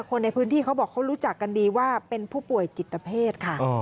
คนในพื้นที่เขาบอกเขารู้จักกันดีว่าเป็นผู้ป่วยจิตเพศค่ะ